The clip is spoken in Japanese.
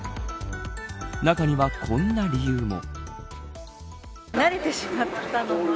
中には、こんな理由も。